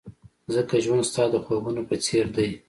ځکه ژوند ستا د خوبونو په څېر دی.